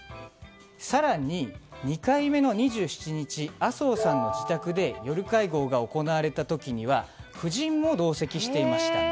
更に、２回目の２７日麻生さんの自宅で夜会合が行われた時には夫人も同席していました。